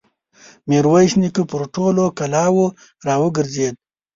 ميرويس نيکه پر ټولو کلاوو را وګرځېد.